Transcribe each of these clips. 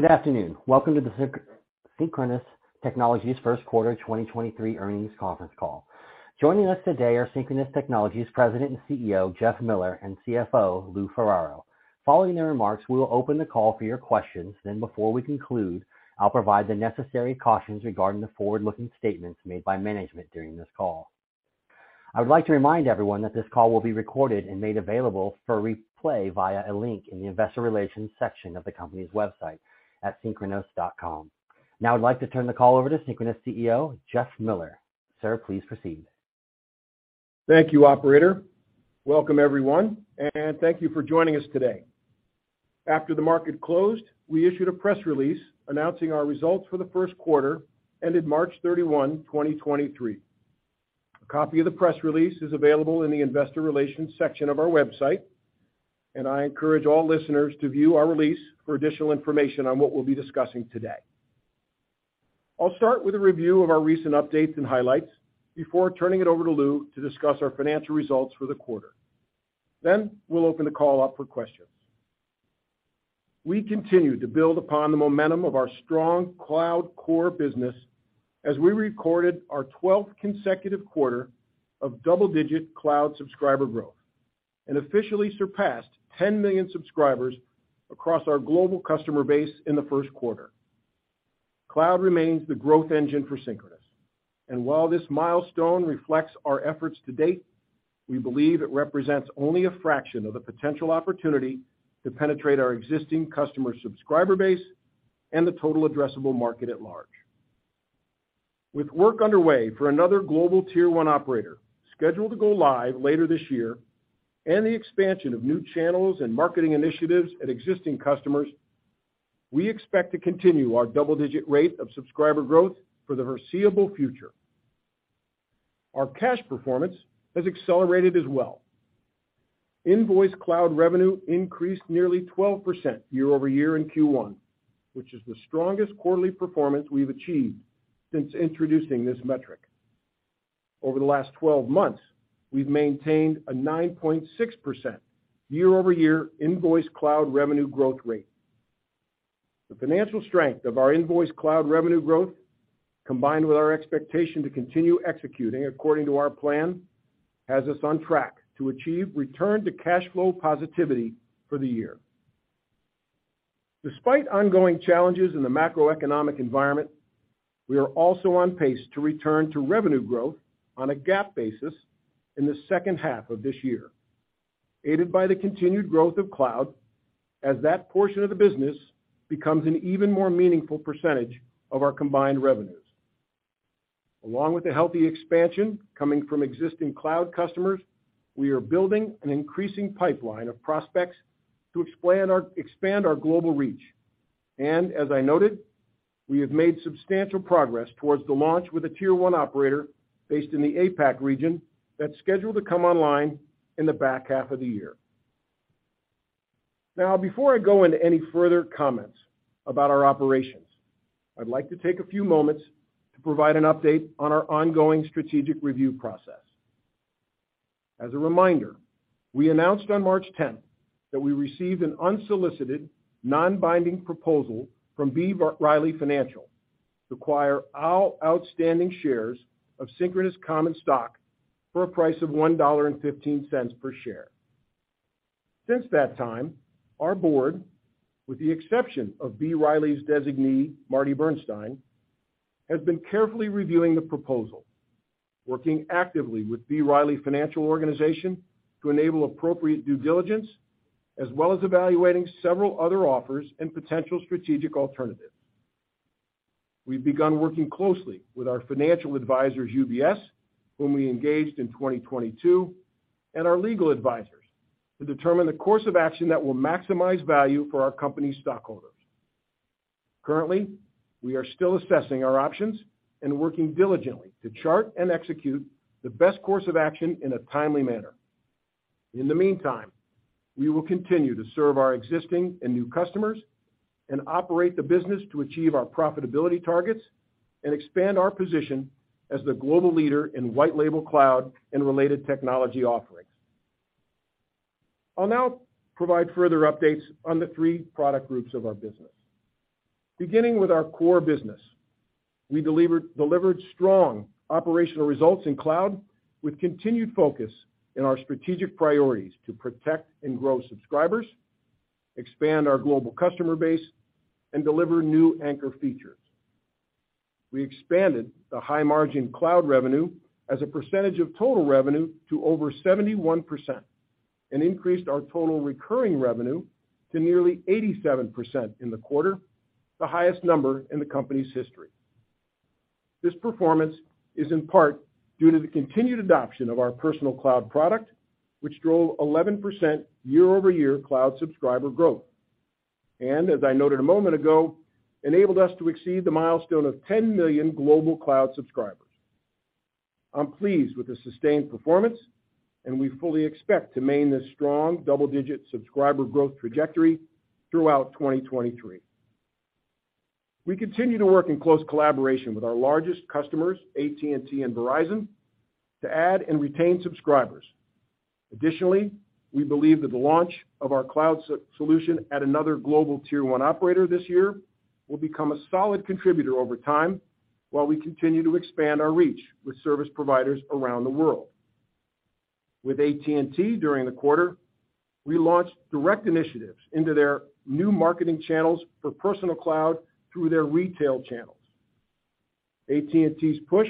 Good afternoon. Welcome to the Synchronoss Technologies first quarter 2023 earnings conference call. Joining us today are Synchronoss Technologies President and CEO, Jeff Miller, and CFO, Lou Ferraro. Following their remarks, we will open the call for your questions. Before we conclude, I'll provide the necessary cautions regarding the forward-looking statements made by management during this call. I would like to remind everyone that this call will be recorded and made available for replay via a link in the investor relations section of the company's website at synchronoss.com. I'd like to turn the call over to Synchronoss CEO, Jeff Miller. Sir, please proceed. Thank you, operator. Welcome, everyone, and thank you for joining us today. After the market closed, we issued a press release announcing our results for the first quarter, ended March 31, 2023. A copy of the press release is available in the investor relations section of our website, and I encourage all listeners to view our release for additional information on what we'll be discussing today. I'll start with a review of our recent updates and highlights before turning it over to Lou to discuss our financial results for the quarter. We'll open the call up for questions. We continue to build upon the momentum of our strong cloud core business as we recorded our 12th consecutive quarter of double-digit cloud subscriber growth and officially surpassed 10 million subscribers across our global customer base in the first quarter. Cloud remains the growth engine for Synchronoss. While this milestone reflects our efforts to date, we believe it represents only a fraction of the potential opportunity to penetrate our existing customer subscriber base and the total addressable market at large. With work underway for another global tier 1 operator scheduled to go live later this year and the expansion of new channels and marketing initiatives at existing customers, we expect to continue our double-digit rate of subscriber growth for the foreseeable future. Our cash performance has accelerated as well. Invoiced Cloud Revenue increased nearly 12% year-over-year in Q1, which is the strongest quarterly performance we've achieved since introducing this metric. Over the last 12 months, we've maintained a 9.6% year-over-year Invoiced Cloud Revenue growth rate. The financial strength of our Invoiced Cloud Revenue growth, combined with our expectation to continue executing according to our plan, has us on track to achieve return to cash flow positivity for the year. Despite ongoing challenges in the macroeconomic environment, we are also on pace to return to revenue growth on a GAAP basis in the second half of this year, aided by the continued growth of cloud as that portion of the business becomes an even more meaningful % of our combined revenues. Along with the healthy expansion coming from existing cloud customers, we are building an increasing pipeline of prospects to expand our global reach. As I noted, we have made substantial progress towards the launch with a tier 1 operator based in the APAC region that's scheduled to come online in the back half of the year. Now, before I go into any further comments about our operations, I'd like to take a few moments to provide an update on our ongoing strategic review process. As a reminder, we announced on March 10th that we received an unsolicited, non-binding proposal from B. Riley Financial to acquire our outstanding shares of Synchronoss common stock for a price of $1.15 per share. Since that time, our board, with the exception of B. Riley's designee, Marty Bernstein, has been carefully reviewing the proposal, working actively with B. Riley Financial Organization to enable appropriate due diligence, as well as evaluating several other offers and potential strategic alternatives. We've begun working closely with our financial advisors, UBS, whom we engaged in 2022, and our legal advisors to determine the course of action that will maximize value for our company's stockholders. Currently, we are still assessing our options and working diligently to chart and execute the best course of action in a timely manner. In the meantime, we will continue to serve our existing and new customers and operate the business to achieve our profitability targets and expand our position as the global leader in white-label cloud and related technology offerings. I'll now provide further updates on the three product groups of our business. Beginning with our core business, we delivered strong operational results in cloud with continued focus in our strategic priorities to protect and grow subscribers, expand our global customer base, and deliver new anchor features. We expanded the high-margin cloud revenue as a percentage of total revenue to over 71% and increased our total recurring revenue to nearly 87% in the quarter, the highest number in the company's history. This performance is in part due to the continued adoption of our Personal Cloud product, which drove 11% year-over-year cloud subscriber growth. As I noted a moment ago, enabled us to exceed the milestone of 10 million global cloud subscribers. I'm pleased with the sustained performance, and we fully expect to maintain this strong double-digit subscriber growth trajectory throughout 2023. We continue to work in close collaboration with our largest customers, AT&T and Verizon, to add and retain subscribers. Additionally, we believe that the launch of our cloud solution at another global Tier 1 operator this year will become a solid contributor over time while we continue to expand our reach with service providers around the world. With AT&T during the quarter, we launched direct initiatives into their new marketing channels for Personal Cloud through their retail channels. AT&T's push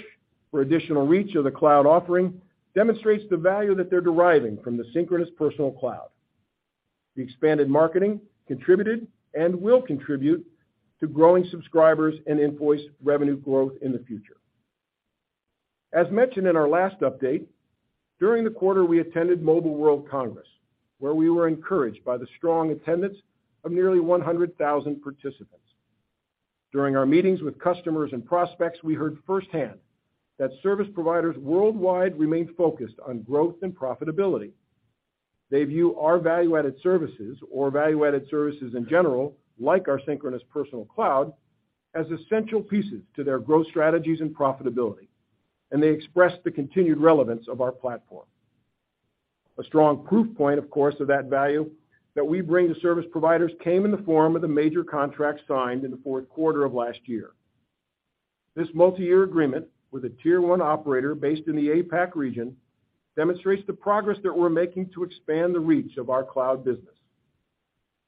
for additional reach of the cloud offering demonstrates the value that they're deriving from the Synchronoss Personal Cloud. The expanded marketing contributed and will contribute to growing subscribers and invoice revenue growth in the future. As mentioned in our last update, during the quarter we attended Mobile World Congress, where we were encouraged by the strong attendance of nearly 100,000 participants. During our meetings with customers and prospects, we heard firsthand that service providers worldwide remain focused on growth and profitability. They view our value-added services or value-added services in general, like our Synchronoss Personal Cloud, as essential pieces to their growth strategies and profitability. They expressed the continued relevance of our platform. A strong proof point, of course, of that value that we bring to service providers came in the form of the major contract signed in the fourth quarter of last year. This multi-year agreement with a Tier 1 operator based in the APAC region demonstrates the progress that we're making to expand the reach of our cloud business.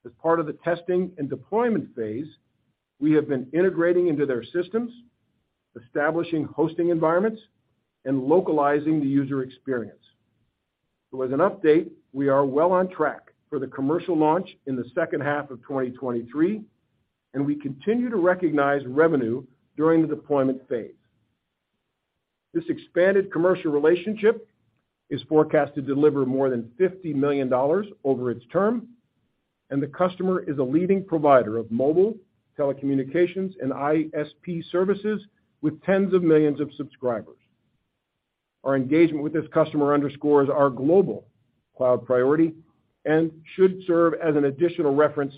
As part of the testing and deployment phase, we have been integrating into their systems, establishing hosting environments, and localizing the user experience. As an update, we are well on track for the commercial launch in the second half of 2023, and we continue to recognize revenue during the deployment phase. This expanded commercial relationship is forecast to deliver more than $50 million over its term, and the customer is a leading provider of mobile, telecommunications, and ISP services with tens of millions of subscribers. Our engagement with this customer underscores our global cloud priority and should serve as an additional reference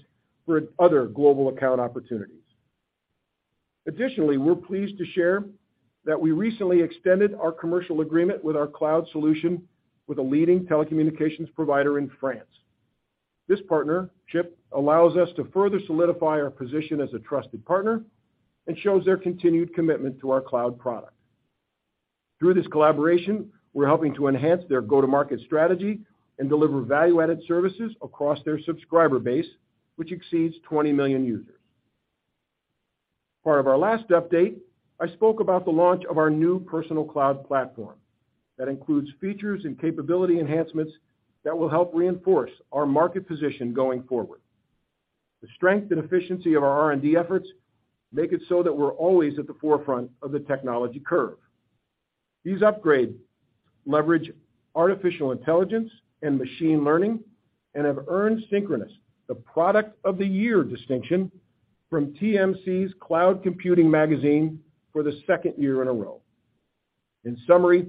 for other global account opportunities. Additionally, we're pleased to share that we recently extended our commercial agreement with our cloud solution with a leading telecommunications provider in France. This partnership allows us to further solidify our position as a trusted partner and shows their continued commitment to our cloud product. Through this collaboration, we're helping to enhance their go-to-market strategy and deliver value-added services across their subscriber base, which exceeds 20 million users. Part of our last update, I spoke about the launch of our new Personal Cloud platform that includes features and capability enhancements that will help reinforce our market position going forward. The strength and efficiency of our R&D efforts make it so that we're always at the forefront of the technology curve. These upgrades leverage artificial intelligence and machine learning and have earned Synchronoss the Product of the Year distinction from TMC's Cloud Computing magazine for the second year in a row. In summary,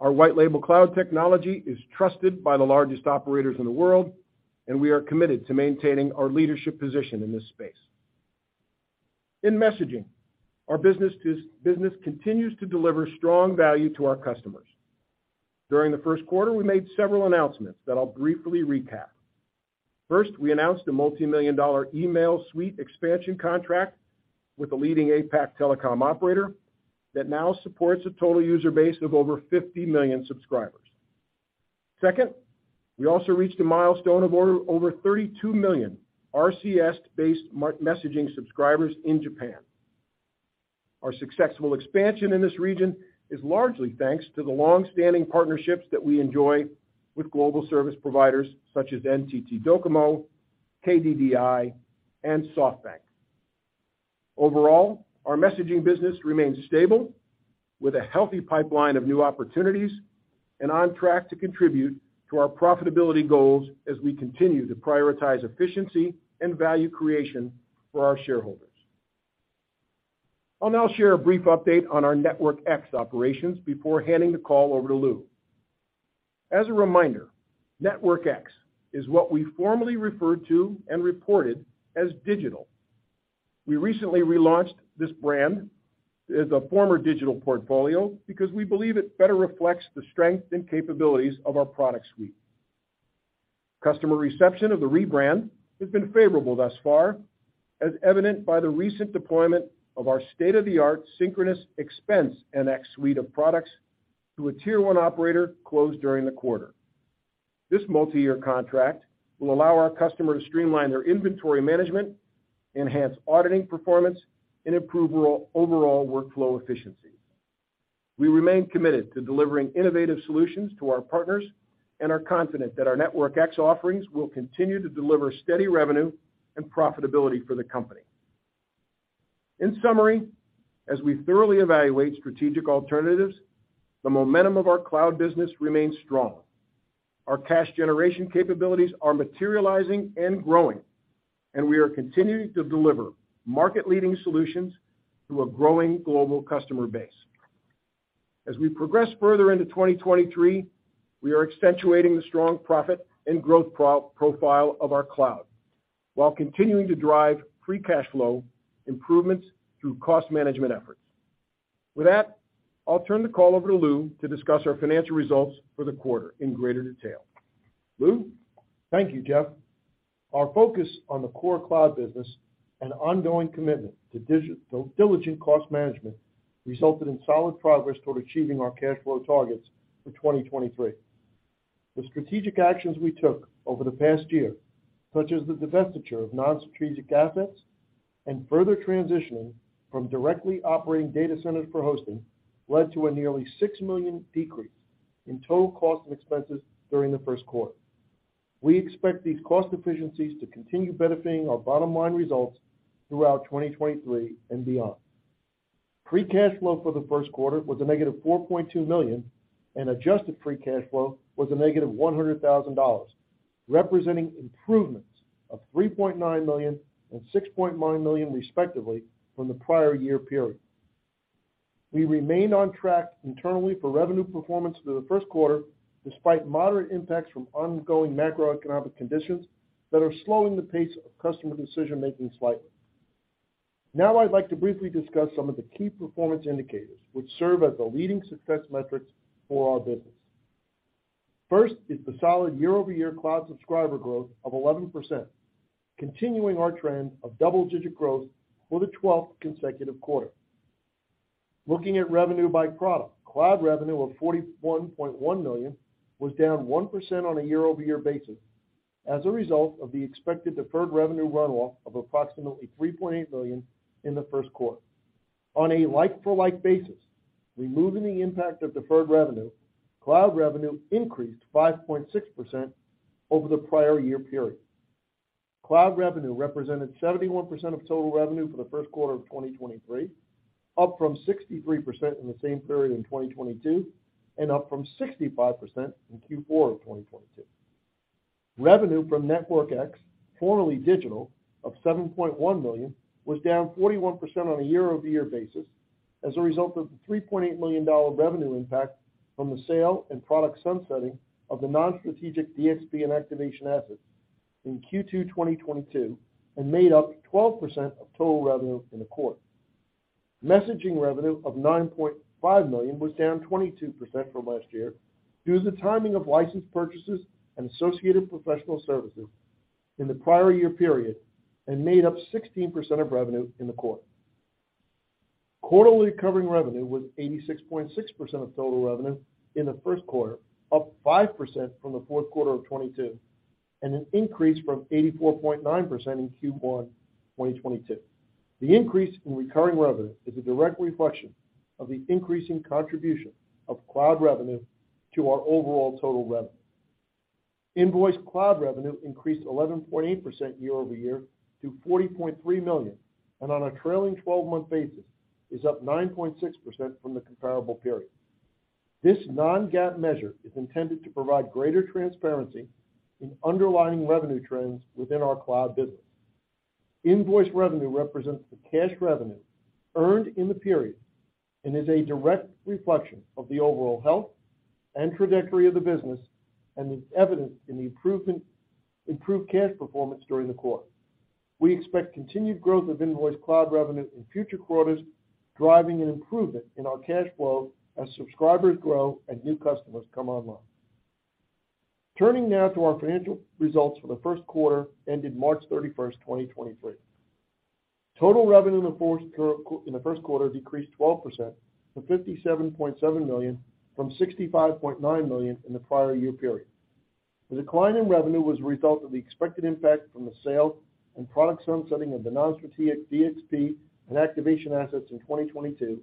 our white label cloud technology is trusted by the largest operators in the world, and we are committed to maintaining our leadership position in this space. In messaging, our business continues to deliver strong value to our customers. During the first quarter, we made several announcements that I'll briefly recap. First, we announced a multi-million dollar email suite expansion contract with a leading APAC telecom operator that now supports a total user base of over 50 million subscribers. Second, we also reached a milestone of over 32 million RCS-based messaging subscribers in Japan. Our successful expansion in this region is largely thanks to the long-standing partnerships that we enjoy with global service providers such as NTT Docomo, KDDI, and SoftBank. Overall, our messaging business remains stable with a healthy pipeline of new opportunities and on track to contribute to our profitability goals as we continue to prioritize efficiency and value creation for our shareholders. I'll now share a brief update on our NetworkX operations before handing the call over to Lou. As a reminder, NetworkX is what we formerly referred to and reported as digital. We recently relaunched this brand as a former digital portfolio because we believe it better reflects the strength and capabilities of our product suite. Customer reception of the rebrand has been favorable thus far, as evident by the recent deployment of our state-of-the-art Synchronoss ExpenseNX suite of products to a Tier 1 operator closed during the quarter. This multi-year contract will allow our customer to streamline their inventory management, enhance auditing performance, and improve overall workflow efficiency. We remain committed to delivering innovative solutions to our partners and are confident that our NetworkX offerings will continue to deliver steady revenue and profitability for the company. In summary, as we thoroughly evaluate strategic alternatives, the momentum of our cloud business remains strong. Our cash generation capabilities are materializing and growing, and we are continuing to deliver market-leading solutions to a growing global customer base. As we progress further into 2023, we are accentuating the strong profit and growth profile of our cloud while continuing to drive free cash flow improvements through cost management efforts. With that, I'll turn the call over to Lou to discuss our financial results for the quarter in greater detail. Lou? Thank you, Jeff. Our focus on the core cloud business and ongoing commitment to diligent cost management resulted in solid progress toward achieving our cash flow targets for 2023. The strategic actions we took over the past year, such as the divestiture of non-strategic assets and further transitioning from directly operating data centers for hosting, led to a nearly $6 million decrease in total cost and expenses during the first quarter. We expect these cost efficiencies to continue benefiting our bottom-line results throughout 2023 and beyond. Free cash flow for the first quarter was a -$4.2 million, and adjusted free cash flow was a -$100,000, representing improvements of $3.9 million and $6.9 million, respectively, from the prior year period. We remained on track internally for revenue performance through the first quarter, despite moderate impacts from ongoing macroeconomic conditions that are slowing the pace of customer decision-making slightly. I'd like to briefly discuss some of the key performance indicators which serve as the leading success metrics for our business. First is the solid year-over-year cloud subscriber growth of 11%, continuing our trend of double-digit growth for the 12th consecutive quarter. Looking at revenue by product, cloud revenue of $41.1 million was down 1% on a year-over-year basis as a result of the expected deferred revenue runoff of approximately $3.8 million in the first quarter. On a like-for-like basis, removing the impact of deferred revenue, cloud revenue increased 5.6% over the prior year period. Cloud revenue represented 71% of total revenue for the first quarter of 2023, up from 63% in the same period in 2022 and up from 65% in Q4 of 2022. Revenue from NetworkX, formerly digital, of $7.1 million, was down 41% on a year-over-year basis as a result of the $3.8 million revenue impact from the sale and product sunsetting of the non-strategic DSP and activation assets in Q2 2022 and made up 12% of total revenue in the quarter. Messaging revenue of $9.5 million was down 22% from last year due to the timing of license purchases and associated professional services in the prior year period and made up 16% of revenue in the quarter. Quarterly recurring revenue was 86.6% of total revenue in the first quarter, up 5% from the fourth quarter of 2022, and an increase from 84.9% in Q1 2022. The increase in recurring revenue is a direct reflection of the increasing contribution of cloud revenue to our overall total revenue. Invoiced Cloud Revenue increased 11.8% year-over-year to $40.3 million, and on a trailing twelve-month basis, is up 9.6% from the comparable period. This non-GAAP measure is intended to provide greater transparency in underlying revenue trends within our cloud business. Invoiced Revenue represents the cash revenue earned in the period and is a direct reflection of the overall health and trajectory of the business, and it's evident in the improved cash performance during the quarter. We expect continued growth of Invoiced Cloud Revenue in future quarters, driving an improvement in our cash flow as subscribers grow and new customers come online. Turning now to our financial results for the first quarter ended March 31, 2023. Total revenue in the first quarter decreased 12% to $57.7 million from $65.9 million in the prior year period. The decline in revenue was a result of the expected impact from the sale and product sunsetting of the non-strategic DXP and activation assets in 2022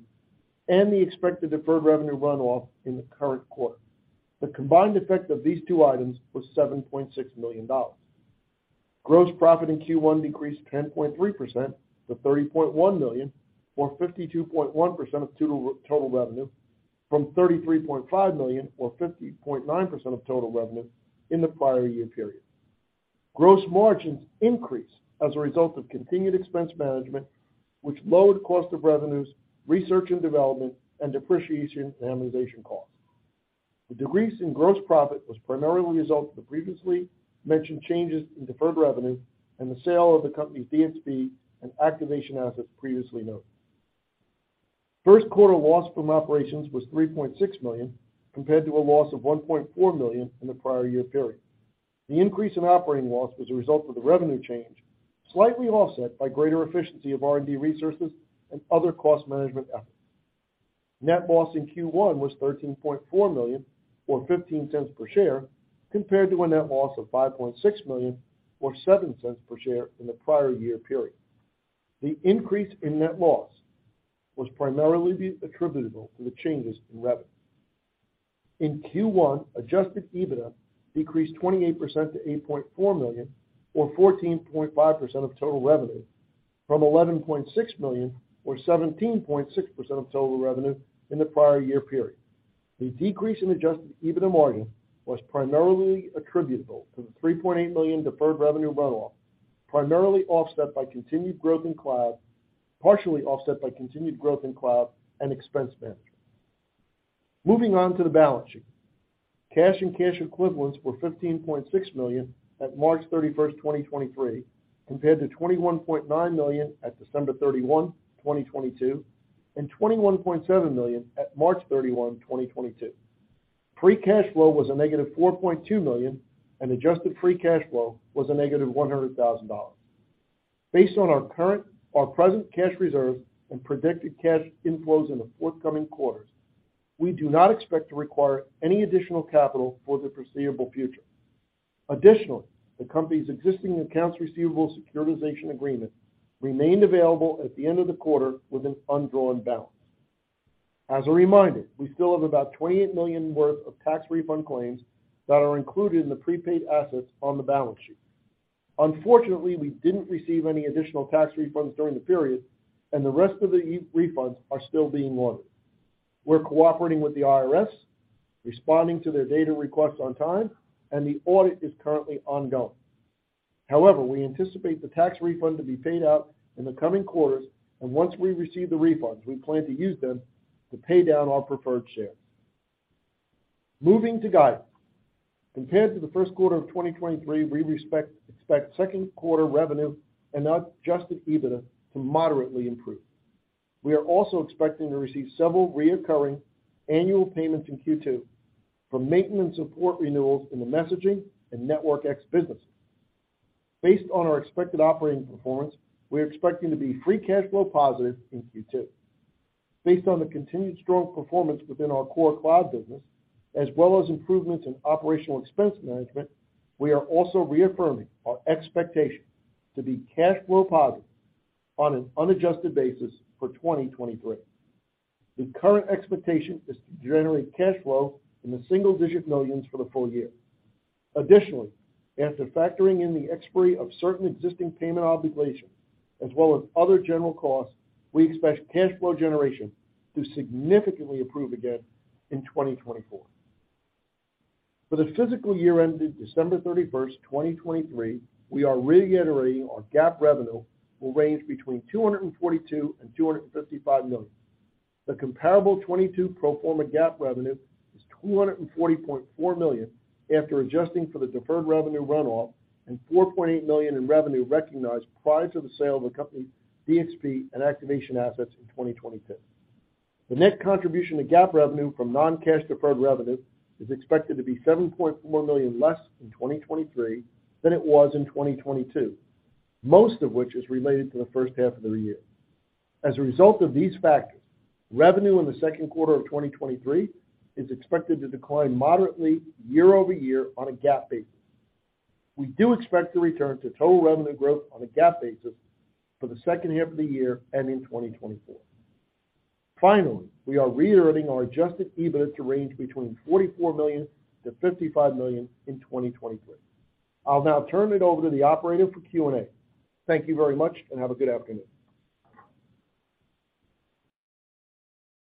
and the expected deferred revenue runoff in the current quarter. The combined effect of these two items was $7.6 million. Gross profit in Q1 decreased 10.3% to $30.1 million or 52.1% of total revenue from $33.5 million or 50.9% of total revenue in the prior year period. Gross margins increased as a result of continued expense management, which lowered cost of revenues, R&D, and depreciation and amortization costs. The decrease in gross profit was primarily a result of the previously mentioned changes in deferred revenue and the sale of the company's DSP and activation assets previously noted. First quarter loss from operations was $3.6 million, compared to a loss of $1.4 million in the prior year period. The increase in operating loss was a result of the revenue change, slightly offset by greater efficiency of R&D resources and other cost management efforts. Net loss in Q1 was $13.4 million or $0.15 per share, compared to a net loss of $5.6 million or $0.07 per share in the prior year period. The increase in net loss was primarily attributable to the changes in revenue. In Q1, adjusted EBITDA decreased 28% to $8.4 million or 14.5% of total revenue from $11.6 million or 17.6% of total revenue in the prior year period. The decrease in adjusted EBITDA margin was primarily attributable to the $3.8 million deferred revenue runoff, partially offset by continued growth in cloud and expense management. Moving on to the balance sheet. Cash and cash equivalents were $15.6 million at March 31, 2023, compared to $21.9 million at December 31, 2022, and $21.7 million at March 31, 2022. Free cash flow was a -$4.2 million. Adjusted free cash flow was a -$100,000. Based on our current or present cash reserve and predicted cash inflows in the forthcoming quarters, we do not expect to require any additional capital for the foreseeable future. Additionally, the company's existing accounts receivable securitization agreement remained available at the end of the quarter with an undrawn balance. As a reminder, we still have about $28 million worth of tax refund claims that are included in the prepaid assets on the balance sheet. Unfortunately, we didn't receive any additional tax refunds during the period, and the rest of the refunds are still being audited. We're cooperating with the IRS, responding to their data requests on time, and the audit is currently ongoing. We anticipate the tax refund to be paid out in the coming quarters, and once we receive the refunds, we plan to use them to pay down our preferred shares. Moving to guidance. Compared to the first quarter of 2023, we expect second quarter revenue and adjusted EBITDA to moderately improve. We are also expecting to receive several recurring annual payments in Q2 from maintenance support renewals in the messaging and NetworkX businesses. Based on our expected operating performance, we're expecting to be free cash flow positive in Q2. Based on the continued strong performance within our core cloud business, as well as improvements in operational expense management, we are also reaffirming our expectation to be cash flow positive on an unadjusted basis for 2023. The current expectation is to generate cash flow in the $ single-digit millions for the full year. Additionally, after factoring in the expiry of certain existing payment obligations as well as other general costs, we expect cash flow generation to significantly improve again in 2024. For the fiscal year ending December 31st, 2023, we are reiterating our GAAP revenue will range between $242 million and $255 million. The comparable 2022 pro forma GAAP revenue is $240.4 million after adjusting for the deferred revenue runoff and $4.8 million in revenue recognized prior to the sale of the company's DXP and Activation assets in 2022. The net contribution to GAAP revenue from non-cash deferred revenue is expected to be $7.4 million less in 2023 than it was in 2022, most of which is related to the first half of the year. As a result of these factors, revenue in the second quarter of 2023 is expected to decline moderately year-over-year on a GAAP basis. We do expect to return to total revenue growth on a GAAP basis for the second half of the year and in 2024. Finally, we are reiterating our adjusted EBIT to range between $44 million-$55 million in 2023. I'll now turn it over to the operator for Q&A. Thank you very much and have a good afternoon.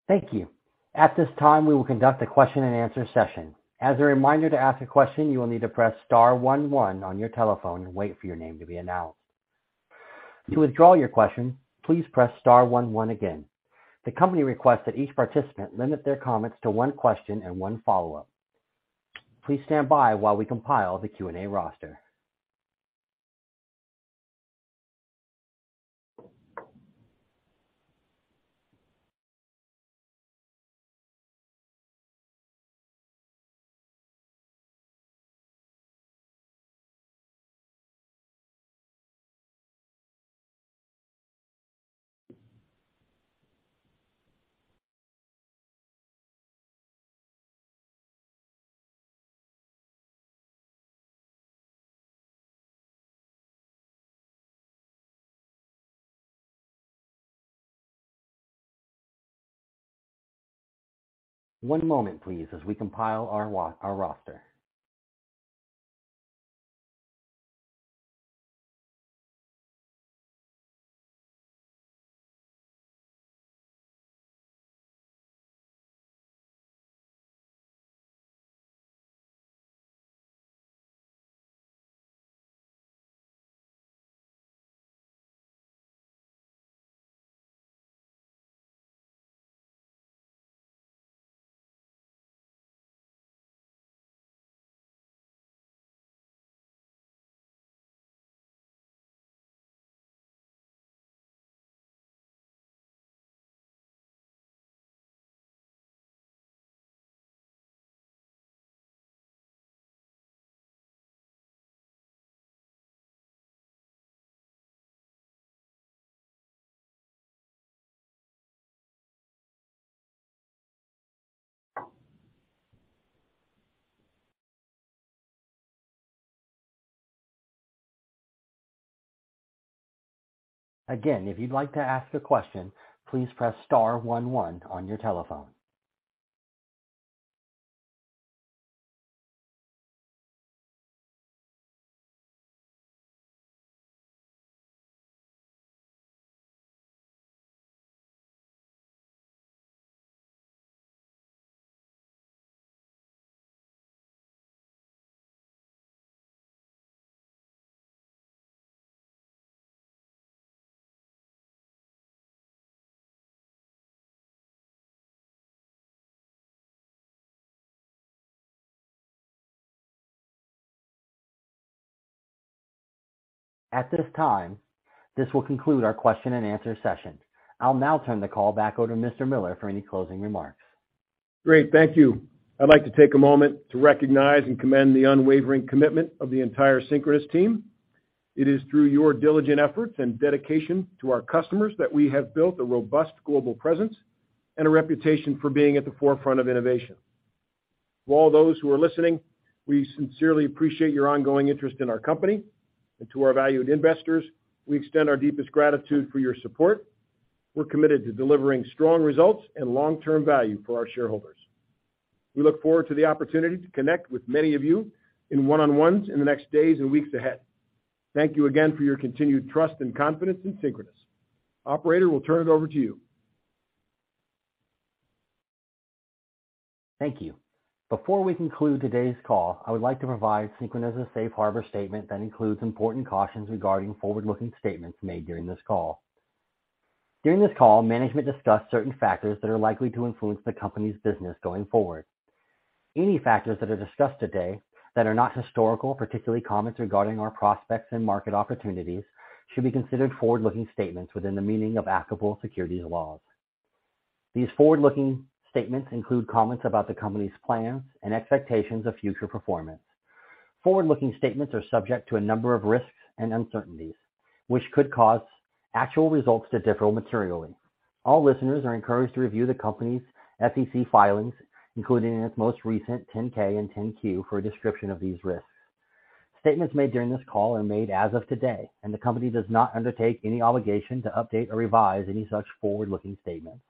Thank you. At this time, we will conduct a question-and-answer session. As a reminder to ask a question, you will need to press star one one on your telephone and wait for your name to be announced. To withdraw your question, please press star one one again. The company requests that each participant limit their comments to one question and one follow-up. Please stand by while we compile the Q&A roster. One moment, please, as we compile our roster. At this time, this will conclude our question and answer session. I'll now turn the call back over to Mr. Miller for any closing remarks. Great. Thank you. I'd like to take a moment to recognize and commend the unwavering commitment of the entire Synchronoss team. It is through your diligent efforts and dedication to our customers that we have built a robust global presence and a reputation for being at the forefront of innovation. To all those who are listening, we sincerely appreciate your ongoing interest in our company. To our valued investors, we extend our deepest gratitude for your support. We're committed to delivering strong results and long-term value for our shareholders. We look forward to the opportunity to connect with many of you in one-on-ones in the next days and weeks ahead. Thank you again for your continued trust and confidence in Synchronoss. Operator, we'll turn it over to you. Thank you. Before we conclude today's call, I would like to provide Synchronoss' safe harbor statement that includes important cautions regarding forward-looking statements made during this call. During this call, management discussed certain factors that are likely to influence the company's business going forward. Any factors that are discussed today that are not historical, particularly comments regarding our prospects and market opportunities, should be considered forward-looking statements within the meaning of applicable securities laws. These forward-looking statements include comments about the company's plans and expectations of future performance. Forward-looking statements are subject to a number of risks and uncertainties, which could cause actual results to differ materially. All listeners are encouraged to review the company's SEC filings, including its most recent 10-K and 10-Q, for a description of these risks. Statements made during this call are made as of today, and the company does not undertake any obligation to update or revise any such forward-looking statements,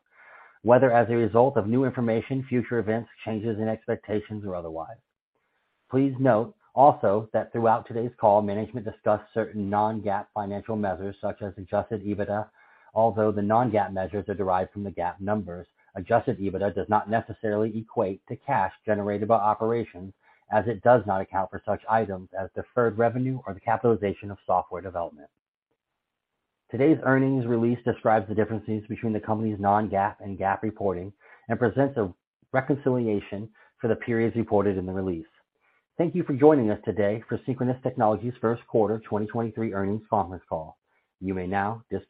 whether as a result of new information, future events, changes in expectations, or otherwise. Please note also that throughout today's call, management discussed certain non-GAAP financial measures, such as adjusted EBITDA. Although the non-GAAP measures are derived from the GAAP numbers, adjusted EBITDA does not necessarily equate to cash generated by operations as it does not account for such items as deferred revenue or the capitalization of software development. Today's earnings release describes the differences between the company's non-GAAP and GAAP reporting and presents a reconciliation for the periods reported in the release. Thank you for joining us today for Synchronoss Technologies' first quarter 2023 earnings conference call. You may now disconnect.